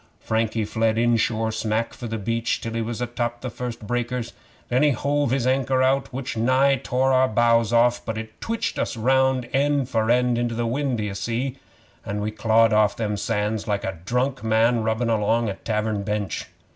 Frankie fled inshore smack for the beach, till he was atop of the first breakers. Then he hove his anchor out, which nigh tore our bows off, but it twitched us round end for end into the wind, d'ye see, an' we clawed off them sands like a drunk man rubbin' along a tavern bench.